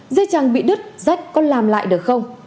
dây chẳng bị đứt rách có làm lại được không